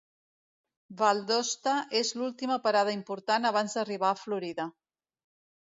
Valdosta és l'última parada important abans d'arribar a Florida.